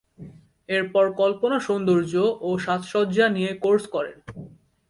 এরপর কল্পনা সৌন্দর্য ও সাজসজ্জা নিয়ে কোর্স করেন।